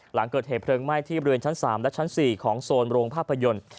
หลังเกิดเหตุเพลิงไหม้ที่บริเวณชั้น๓และชั้น๔ของโซนโรงภาพยนตร์